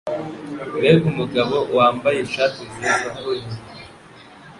mbega umugabo wambaye ishati nziza we